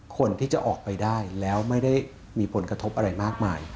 คนที่จะออกไปได้แล้วไม่ได้มีผลกระทบอะไรมากมาย